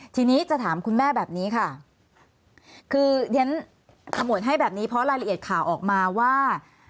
ทีนี้จะถามคุณแม่แบบนี้ค่ะคือเรียนขมวดให้แบบนี้เพราะรายละเอียดข่าวออกมาว่า